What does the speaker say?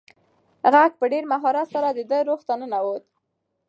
غږ په ډېر مهارت سره د ده روح ته ننووت.